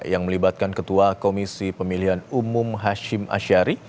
yang melibatkan ketua komisi pemilihan umum hashim ashari